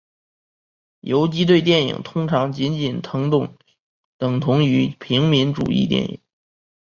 游击队电影通常仅仅等同于平民主义电影。